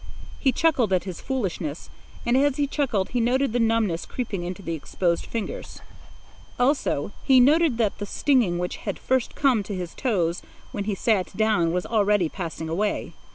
He chuckled at his foolishness, and as he chuckled he noted the numbness creeping into the exposed fingers. Also, he noted that the stinging which had first come to his toes when he sat down was already passing away.